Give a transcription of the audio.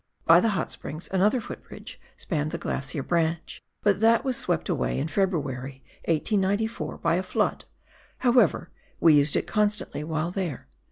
By the hot springs another footbridge spanned the glacier branch, but that was swept away in February, 1894, by a flood ; however, we used it constantly while there.